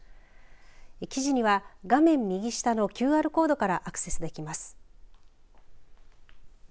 記事には画面右下のＱＲコードからアクセスできます。